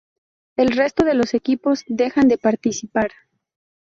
El resto de los equipos dejan de participar.